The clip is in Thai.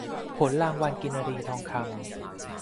ผลรางวัลกินรีทองคำ